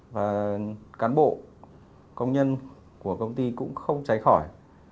và cán bộ công nhân của công ty cũng không trái khỏi